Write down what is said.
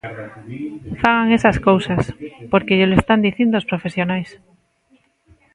Fagan esas cousas, porque llelo están dicindo os profesionais.